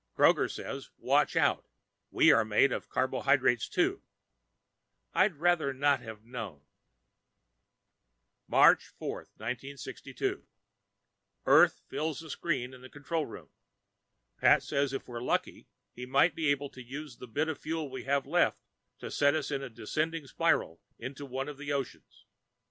Kroger says watch out. We are made of carbohydrates, too. I'd rather not have known. March 4, 1962 Earth fills the screen in the control room. Pat says if we're lucky, he might be able to use the bit of fuel we have left to set us in a descending spiral into one of the oceans.